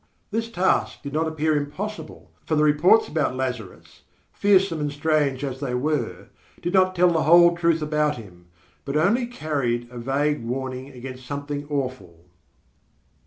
This task did not appear impossible, for the reports about Lazarus, fearsome and strange as they were, did not tell the whole truth about him, but only carried a vague warning against something awful.